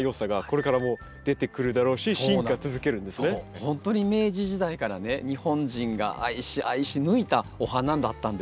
ほんとに明治時代からね日本人が愛し愛し抜いたお花だったんですよね。